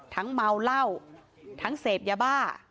เมาเหล้าทั้งเสพยาบ้า